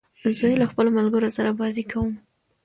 زه له خپلو ملګرو سره بازۍ کوم.